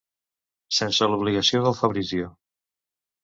Sense l'obligació del Fabrizio.